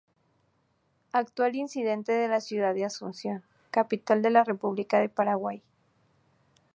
Actual intendente de la ciudad de Asunción, Capital de la República del Paraguay.